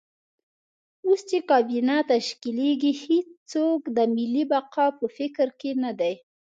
اوس چې کابینه تشکیلېږي هېڅوک د ملي بقا په فکر کې نه دي.